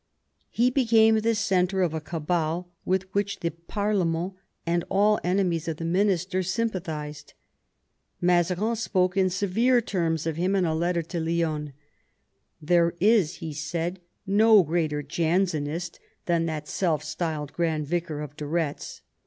He became the centre of a cabal with which the parUment and all enemies of the minister sympathised. Mazarin spoke in severe terms of him in a letter to Lionne. " There is,'* he said, " no greater Jansenist than that self styled grand vicar of de Retz.